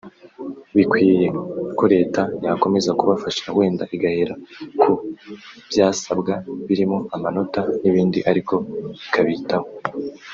bikwiye ko leta yakomeza kubafasha wenda igahera ku byasabwa birimo amanota n’ibindi ariko ikabitaho